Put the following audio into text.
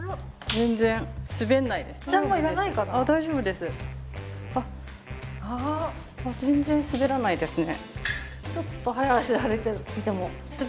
全然滑らないですね。